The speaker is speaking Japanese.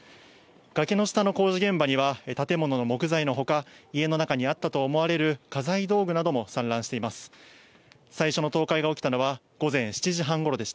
崖の下の工事現場には、建物の木材のほか、家の中にあったと思われる家財道具なども散乱しています。